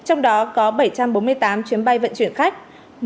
trong đó có bảy trăm bốn mươi tám chuyến bay vận chuyển khách